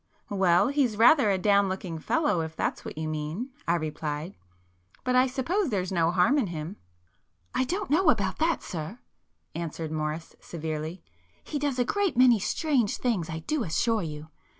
"Well, he's rather a down looking fellow if that's what you [p 123] mean,"—I replied—"But I suppose there's no harm in him." "I don't know about that sir,"—answered Morris severely; "He does a great many strange things I do assure you.